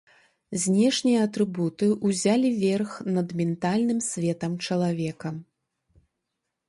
Знешнія атрыбуты ўзялі верх над ментальным светам чалавека.